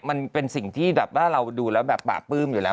มันเป็นสิ่งที่แบบว่าเราดูแล้วแบบป่าปลื้มอยู่แล้ว